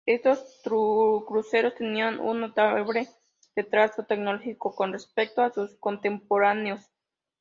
Estos cruceros tenían un notable retraso tecnológico con respecto a sus contemporáneos.